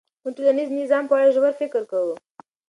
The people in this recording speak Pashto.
موږ د ټولنیز نظام په اړه ژور فکر کوو.